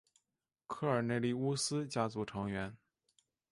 科尔内利乌斯家族的成员。